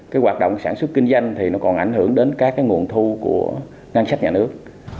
cái hoạt động sản xuất kinh doanh thì nó còn ảnh hưởng đến các cái nguồn thu của ngân sách nhà nước